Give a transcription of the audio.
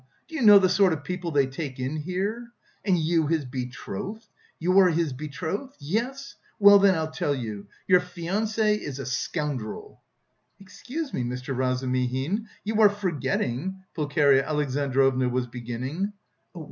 Do you know the sort of people they take in here? And you his betrothed! You are his betrothed? Yes? Well, then, I'll tell you, your fiancé is a scoundrel." "Excuse me, Mr. Razumihin, you are forgetting..." Pulcheria Alexandrovna was beginning.